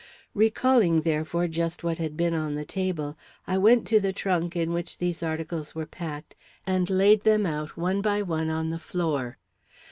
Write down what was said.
Recalling, therefore, just what had been on the table, I went to the trunk in which these articles were packed, and laid them out one by one on the floor.